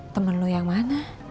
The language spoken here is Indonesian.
temen lo yang mana